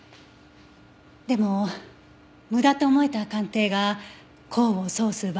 でも無駄と思えた鑑定が功を奏す場合もあります。